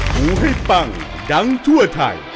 หูให้ปังดังทั่วไทย